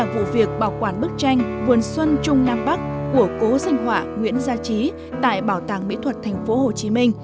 vườn xuân trung nam bắc của cố dân họa nguyễn gia trí tại bảo tàng mỹ thuật tp hcm